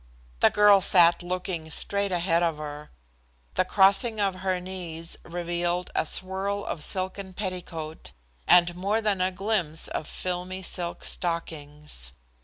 The girl sat looking straight ahead of her. The crossing of her knees revealed a swirl of silken petticoat, and more than a glimpse of filmy silk stockings.